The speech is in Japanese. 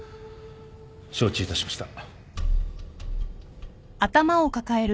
承知いたしました。